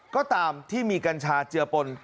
ก็ตามที่เกิดมีกัญชาเจียอปล